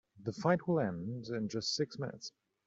The fight will end in just six minutes.